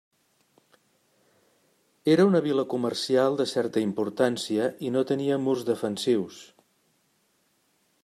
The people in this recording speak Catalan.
Era una vila comercial de certa importància i no tenia murs defensius.